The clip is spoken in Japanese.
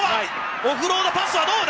オフロードパスはどうだ。